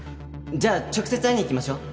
じゃあ直接会いに行きましょう。